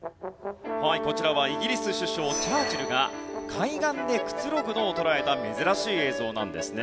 はいこちらはイギリス首相チャーチルが海岸でくつろぐのを捉えた珍しい映像なんですね。